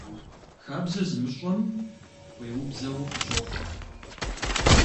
Хабзэ зымыщӏэм уеубзэу къыщохъу.